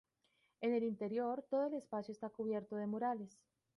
En el interior, todo el espacio está cubierto de murales.